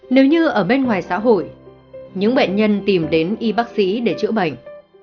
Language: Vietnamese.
nếu như ở bên ngoài xã hội những bệnh nhân tìm đến y bác sĩ để chữa bệnh